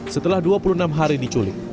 setelah dua puluh enam hari diculik